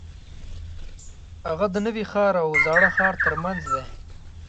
هغه د نوي ښار او زاړه ښار ترمنځ دی.